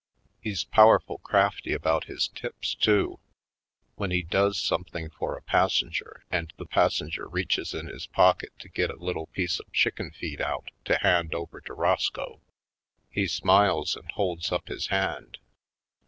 He's powerful crafty about his tips, too. When he does something for a passenger and the passenger reaches in his pocket to get a little piece of chicken feed out to hand over to Roscoe, he smiles and holds up his hand.